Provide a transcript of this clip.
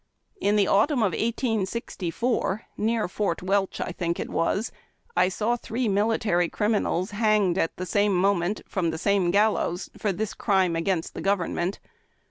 In the autumn of 1864 — near Fort Welch, I think it was — I saw three mil itary criminals hanged at the same 'moment, from the same gallows, for this crime against the government.